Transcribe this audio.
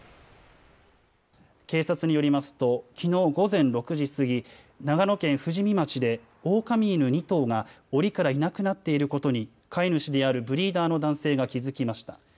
警察によりますときのう午前６時過ぎ、長野県富士見町でオオカミ犬２頭がおりからなくなっていることに飼い主であるブリーダーの男性が気付きました。